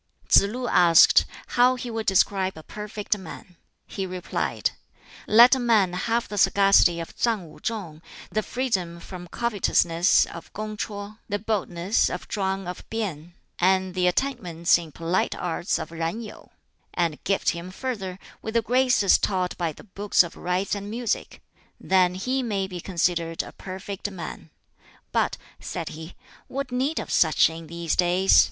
Tsz lu asked how he would describe a perfect man. He replied, "Let a man have the sagacity of Tsang Wu chung, the freedom from covetousness of Kung ch'oh, the boldness of Chwang of P'in, and the attainments in polite arts of Yen Yu; and gift him further with the graces taught by the 'Books of Rites' and 'Music' then he may be considered a perfect man. But," said he, "what need of such in these days?